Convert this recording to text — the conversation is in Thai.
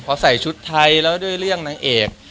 พอใส่ชุดไทยแล้วด้วยเรื่องนางเอก